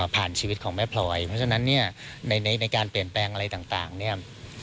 ผ่านชีวิตของแม่พลอยดังนั้นในการเปลี่ยนแปลงอะไรต่างเนี่ย